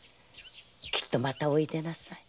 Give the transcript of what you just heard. きっとまたおいでなさい。